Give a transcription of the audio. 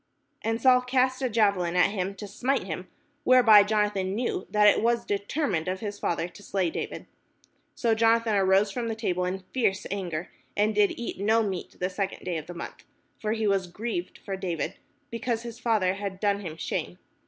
And Saul cast a javelin at him to smite him : whereby Jonathan knew that it was determined of his father to slay David. So Jonathan arose from the table in fierce anger, and did eat no meat the second day of the month : for he was grieved for David, because his father had done him shame.